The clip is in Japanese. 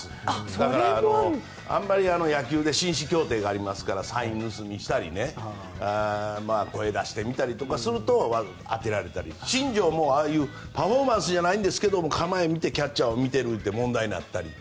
だから、野球では紳士協定があるのでサイン盗みをしたり声を出してみたりすると当てられたり、新庄もパフォーマンスじゃないですけど構えを見てキャッチャーを見ていると問題になったり。